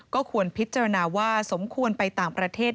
ก็ควรพิจารณาว่าสมควรไปต่างประเทศ